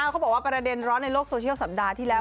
เขาบอกว่าประเด็นร้อนในโลกโซเชียลสัปดาห์ที่แล้ว